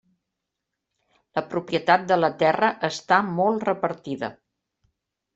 La propietat de la terra està molt repartida.